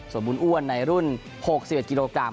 ส่วนบุญอ้วนในรุ่น๖๑กิโลกรัม